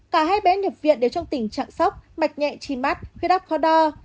cả hai bé nhập viện đều trong tình trạng sốc mạch nhẹ chi mắt khuyết đắp khó đo